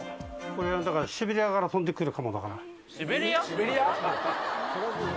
これ、だからシベリアから飛んでくる鴨だから。